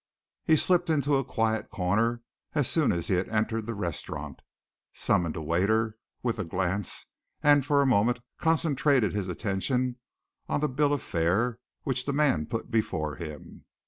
He slipped into a quiet corner as soon as he had entered the restaurant, summoned a waiter with a glance, and for a moment concentrated his attention on the bill of fare which the man put before him.